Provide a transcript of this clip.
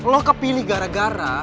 lu kepilih gara gara